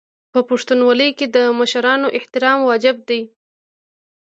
په پښتونولۍ کې د مشرانو احترام واجب دی.